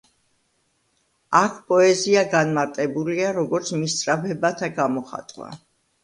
აქ პოეზია განმარტებულია, როგორც მისწრაფებათა გამოხატვა.